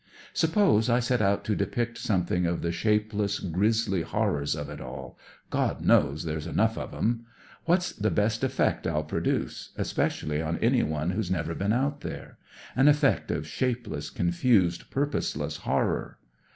Suppose I set out to depict something of the shapeless, grisly horrors of it all. God knows there's enough oi 'em. What's the best effect I'll produce, especially on anyone who's never been out there ? An effect of shapeless, confused, purposeless horror.